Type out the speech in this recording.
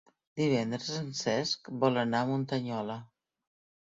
Divendres en Cesc vol anar a Muntanyola.